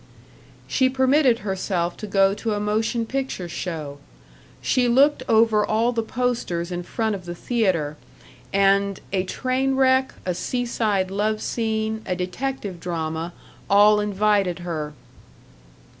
She permitted herself to go to a motion picture show. She looked over all the posters in front of the theater, and a train wreck, a seaside love scene, a detective drama, all invited her.